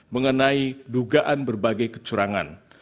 mengenai dugaan berbagai kecurangan